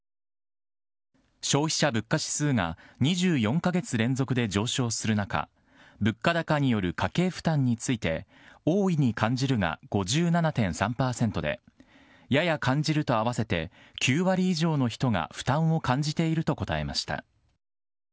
消費者物価指数が２４か月連続で上昇する中、物価高による家計負担について、大いに感じるが５７．３％で、やや感じると合わせて９割以上の人が負担を感じていると答えました。